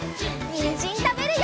にんじんたべるよ！